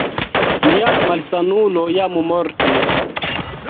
Nia malsanulo jam mortis